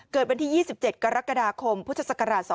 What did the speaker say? เกิดวันที่๒๗กรกฎาคมพศ๒๔๙๖